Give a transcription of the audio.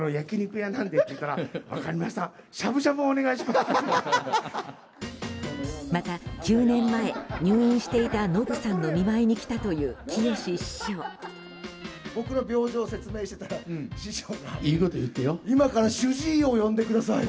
また、９年前入院していたノブさんの見舞いに来たというきよし師匠。